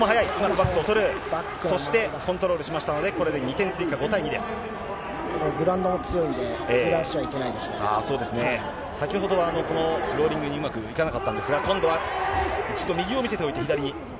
バックを取る、そしてコントロールしましたので、これで２点追加、グラウンドも強いんで、そうですね、先ほどはこのローリングにうまくいかなかったんですが、今度は、一度右を見せておいて、左に。